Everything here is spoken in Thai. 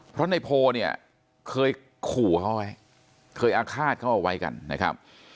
เพราะในโพลเนี่ยเคยขู่เขาไว้เคยอาฆาตเขาเอาไว้กันนะครับ